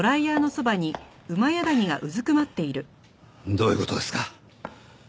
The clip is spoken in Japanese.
どういう事ですか？